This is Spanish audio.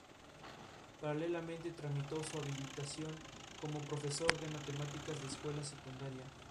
Los principales damnificados por el fallo fueron las comunidades de habitantes de las islas.